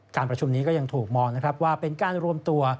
ประชุมนี้ก็ยังถูกมองนะครับว่าเป็นการรวมตัว